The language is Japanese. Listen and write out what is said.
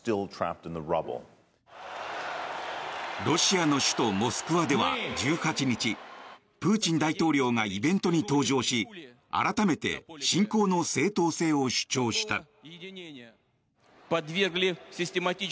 ロシアの首都モスクワでは１８日プーチン大統領がイベントに登場し改めて侵攻の正当性を主張した。